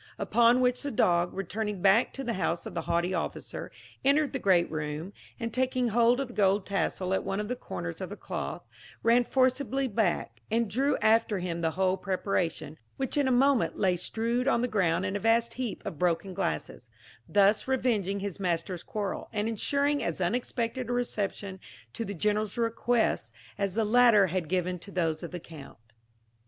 Upon which the dog, returning back to the house of the haughty officer, entered the great room, and taking hold of the gold tassel at one of the corners of the cloth, ran forcibly back, and drew after him the whole preparation, which in a moment lay strewed on the ground in a vast heap of broken glasses; thus revenging his master's quarrel, and ensuring as unexpected a reception to the General's requests as the latter had given to those of the Count.